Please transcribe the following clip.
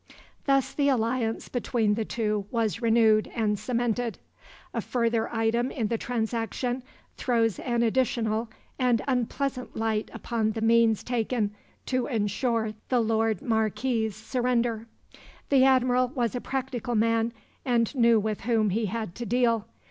Thus the alliance between the two was renewed and cemented. A further item in the transaction throws an additional and unpleasant light upon the means taken to ensure the Lord Marquis's surrender. The Admiral was a practical man, and knew with whom he had to deal.